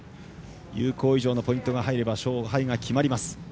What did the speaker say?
有効以上のポイントが入れば勝敗が決まります。